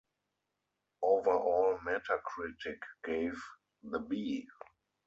Overall Metacritic gave The B.